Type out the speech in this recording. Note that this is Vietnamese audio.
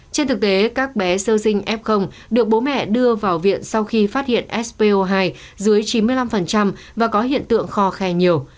trên thực tế các bé sơ sinh f được bố mẹ đưa vào viện sau khi phát hiện spo hai dưới chín mươi năm và có hiện tượng kho khe nhiều